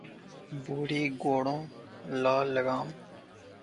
بوڑھی گھوڑی لال لگام